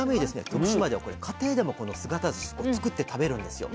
徳島では家庭でもこの姿ずし作って食べるんですよ。